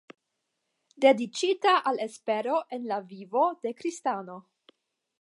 Dediĉita al espero en la vivo de kristano.